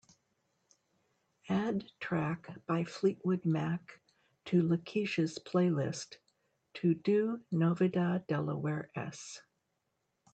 Add track by Fleetwood Mac to lakeisha's playlist TODO NOVEDADelawareS